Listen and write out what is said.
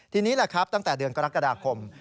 ทีนี้ตั้งแต่เดือนกรกฎาคม